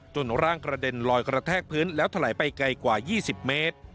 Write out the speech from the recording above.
ร่างกระเด็นลอยกระแทกพื้นแล้วถลายไปไกลกว่า๒๐เมตร